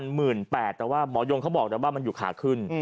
แต่ว่าหมอยงเขาบอกแล้วว่ามันอยู่ขาขึ้น